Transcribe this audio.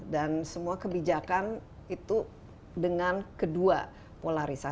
dan semua kebijakan itu dengan kedua